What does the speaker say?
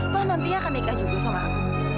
toh nantinya akan nikah juga soal